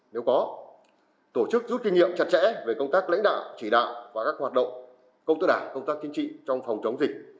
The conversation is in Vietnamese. nếu có tổ chức rút kinh nghiệm chặt chẽ về công tác lãnh đạo chỉ đạo và các hoạt động công tư đảng công tác kinh trị trong phòng chống dịch